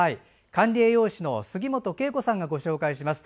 管理栄養士の杉本恵子さんがご紹介します。